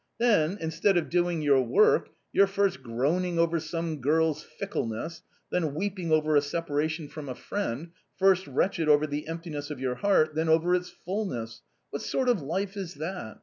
Then, instead of doing your work, you're first groaning over some girl's fickleness, then weeping over a separation from a friend, first wretched over the emptiness of your heart, then over its fulness ; what sort of life is that